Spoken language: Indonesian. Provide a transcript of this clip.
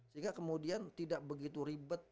sehingga kemudian tidak begitu ribet